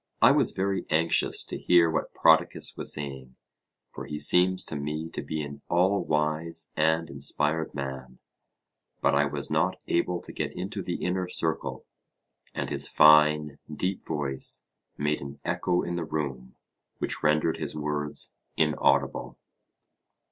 I was very anxious to hear what Prodicus was saying, for he seems to me to be an all wise and inspired man; but I was not able to get into the inner circle, and his fine deep voice made an echo in the room which rendered his words inaudible.